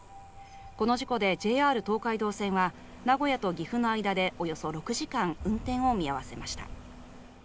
この事故でＪＲ東海道線は名古屋と岐阜の間でおよそ６時間運転を見合わせました。